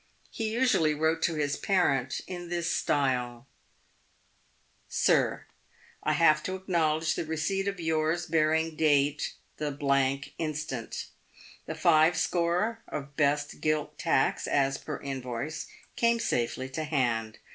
He usually wrote to his parent in this style :" Sin, — I have to acknowledge the receipt of yours bearing date the instant. The five score of best gilt tacks, as per invoice, came safely to hand.